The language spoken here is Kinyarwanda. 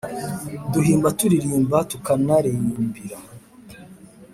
duhimba turirimba tukanarimbira